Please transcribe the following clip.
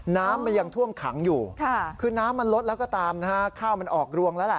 น้ำมันยังท่วมขังอยู่คือน้ำมันลดแล้วก็ตามนะฮะข้าวมันออกรวงแล้วแหละ